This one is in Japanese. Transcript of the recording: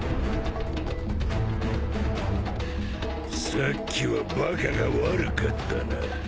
さっきはバカが悪かったな。